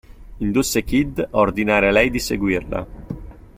Indusse Kid a ordinare a lei di seguirla.